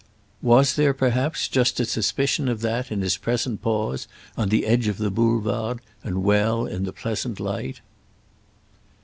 Was there perhaps just a suspicion of that in his present pause on the edge of the Boulevard and well in the pleasant light?